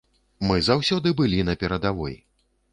Мы заўсёды былі на перадавой.